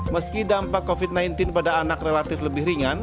meski dampak covid sembilan belas pada anak relatif lebih ringan